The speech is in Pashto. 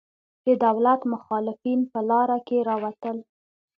د دولت مخالفین په لاره کې راوتل.